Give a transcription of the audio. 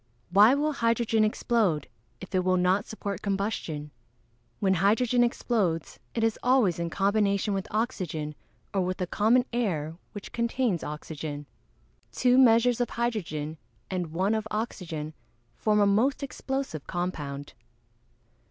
Why will hydrogen explode, if it will not support combustion? When hydrogen explodes it is always in combination with oxygen, or with the common air, which contains oxygen. Two measures of hydrogen and one of oxygen form a most explosive compound.